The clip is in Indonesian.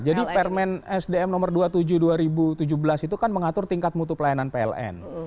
jadi permen esdm nomor dua puluh tujuh dua ribu tujuh belas itu kan mengatur tingkat mutu pelayanan pln